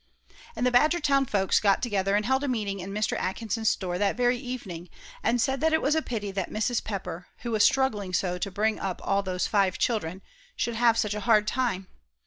And the Badgertown folks got together and held a meeting in Mr. Atkins' store that very evening, and said that it was a pity that Mrs. Pepper, who was struggling so to bring up all those five children, should have such a hard time.